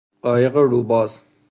قایق رو باز